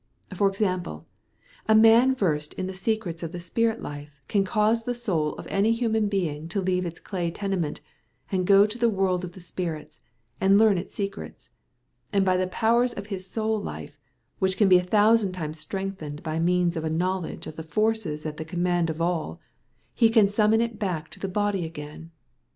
For example, a man versed in the secrets of the spirit life can cause the soul of any human being to leave its clay tenement, and go to the world of spirits, and learn its secrets; and by the powers of his soul life, which can be a thousand times strengthened by means of a knowledge of the forces at the command of all, he can summon it back to the body again.